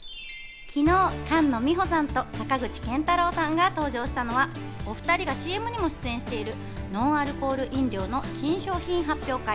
昨日、菅野美穂さんと坂口健太郎さんが登場したのは、お２人がＣＭにも出演しているノンアルコール飲料の新商品発表会。